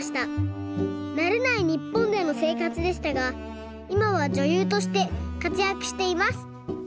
なれないにっぽんでのせいかつでしたがいまはじょゆうとしてかつやくしています。